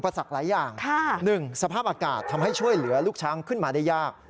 สักหลายอย่าง๑สภาพอากาศทำให้ช่วยเหลือลูกช้างขึ้นมาได้ยาก